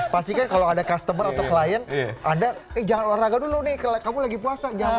pastikan kalau ada customer atau klien anda jangan olahraga dulu nih kalau kamu lagi puasa